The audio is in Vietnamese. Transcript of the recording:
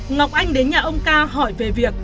ngọc anh đến nhà ông ca hỏi về việc